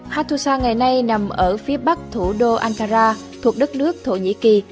hattusa ngày nay nằm ở phía bắc thủ đô ankara thuộc đất nước thổ nhĩ kỳ